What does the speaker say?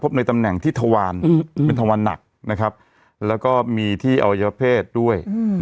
ในตำแหน่งที่ทวารเป็นทวารหนักนะครับแล้วก็มีที่อวัยวเพศด้วย